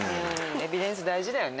エビデンス大事だよね。